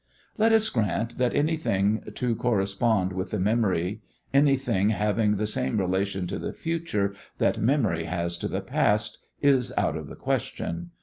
Let us grant that anything to correspond with the memory, anything having the same relation to the future that memory has to the past, is out of the question.